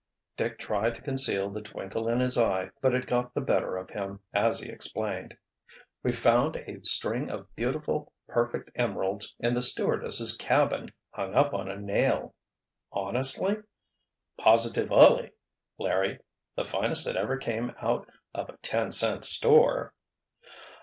Dick tried to conceal the twinkle in his eye, but it got the better of him as he explained. "We found a string of beautiful, perfect emeralds in the stewardess' cabin, hung up on a nail." "Honestly?" "Positive ully, Larry! The finest that ever came out of a ten cent store!"